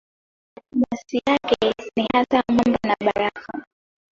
Masi yake ni hasa mwamba na barafu.